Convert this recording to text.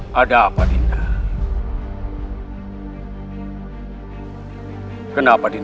jangan lupa like share dan subscribe